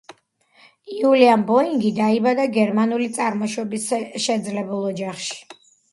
უილიამ ბოინგი დაიბადა გერმანული წარმოშობის შეძლებულ ოჯახში.